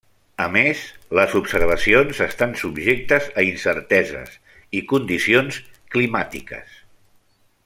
A més, les observacions estan subjectes a incerteses i condicions climàtiques.